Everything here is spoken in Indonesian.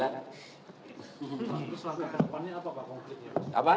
langkah kedepannya apa pak